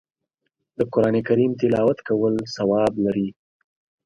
د قرآن کریم تلاوت کول ثواب لري